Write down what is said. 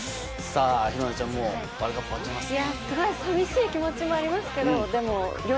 紘菜ちゃん、ワールドカップ終わっちゃいますね。